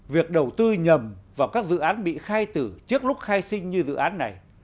việc đầu tư nhầm vào các dự án bị khai tử trước lúc khai sinh như dự án này